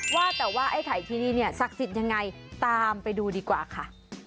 ว่าแต่ว่าไอ้ไข่ที่นี่เนี่ยศักดิ์สิทธิ์ยังไงตามไปดูดีกว่าค่ะ